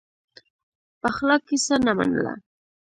پخلا کیسه نه منله.